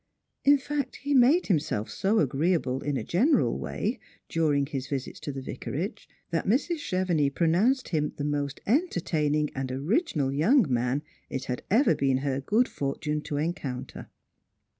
In fact, he made himself so agreeable in a general way, during his visits to the Vicarage, that Mrs. Chevenix pronounced him the most entertaining and original young man it had ever been her good fortune to encounter.